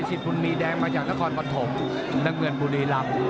สิทธิ์บุญมีดแดงมาจากนครพันธมน้ำเงินบุรีรัม